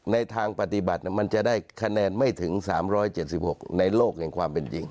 ในทางปฏิบัติมันจะได้คะแนนไม่ถึง๓๗๖ในโลกแห่งความเป็นจริง